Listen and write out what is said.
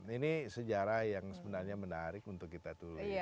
ini sejarah yang sebenarnya menarik untuk kita turunkan